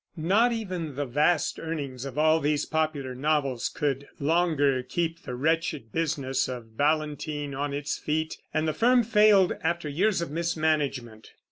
Not even the vast earnings of all these popular novels could longer keep the wretched business of Ballantyne on its feet, and the firm failed, after years of mismanagement.